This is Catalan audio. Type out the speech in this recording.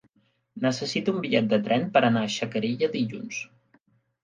Necessito un bitllet de tren per anar a Xacarella dilluns.